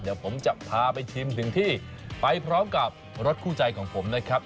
เดี๋ยวผมจะพาไปชิมถึงที่ไปพร้อมกับรถคู่ใจของผมนะครับ